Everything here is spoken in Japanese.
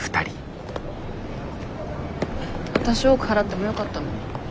わたし多く払ってもよかったのに。